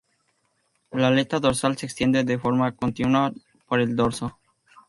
La aleta dorsal se extiende de forma continua por el dorso.